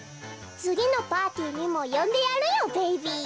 つぎのパーティーにもよんでやるよベイビー。